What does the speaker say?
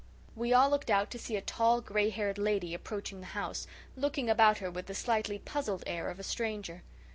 We all looked out to see a tall, gray haired lady approaching the house, looking about her with the slightly puzzled air of a stranger.